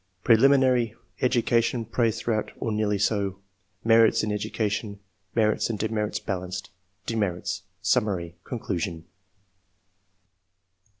Preliminary — ^Education praised throughout or nearly so — Merits in Education — Merits and demerits balanced — Demerits — Summary — Conclusion.